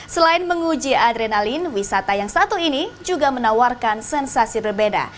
selain menguji adrenalin wisata yang satu ini juga menawarkan sensasi berbeda